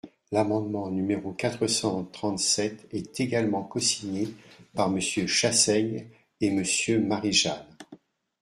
L’amendement numéro quatre cent trente-sept est également cosigné par Monsieur Chassaigne et Monsieur Marie-Jeanne.